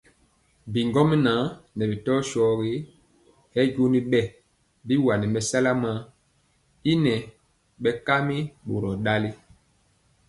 Bigɔmŋa ŋɛɛ bi tɔ shogi y joni bɛ biwani mɛsala man y nɛɛ bɛkami boror ndali.